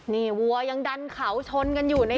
นี่วัวยังดันเขาชนกันอยู่ใน